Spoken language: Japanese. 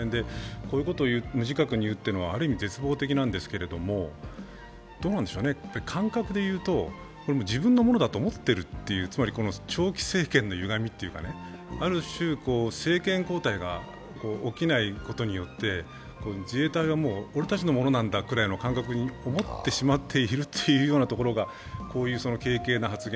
こういうことを無自覚に言うのはある意味、絶望的なんですが、どうなんでしょうね、感覚で言うと自分のものだと思ってる、つまり長期政権のゆがみというか、ある種、政権交代が起きないことによって自衛隊は俺たちのものなんだぐらいの感覚に思っているということがこういう軽々な発言。